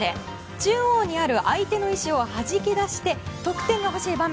中央にある相手の石をはじき出して得点が欲しい場面。